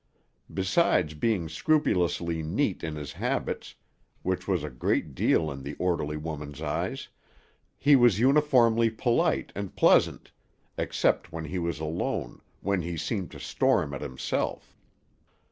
Besides being scrupulously neat in his habits, which was a great deal in the orderly woman's eyes, he was uniformly polite and pleasant, except when he was alone, when he seemed to storm at himself.